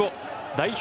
代表